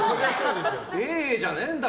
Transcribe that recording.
ええじゃねえんだ